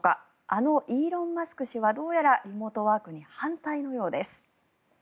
あのイーロン・マスク氏はどうやらリモートワークに反対のようです。